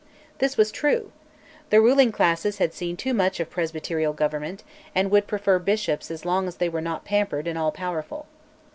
This was true: the ruling classes had seen too much of presbyterial government, and would prefer bishops as long as they were not pampered and all powerful.